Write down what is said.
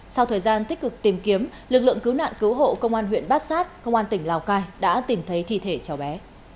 sau thời gian tích cực tìm kiếm lực lượng cứu nạn cứu hộ công an huyện bát sát công an tỉnh lào cai đã tìm thấy thi thể cháu bé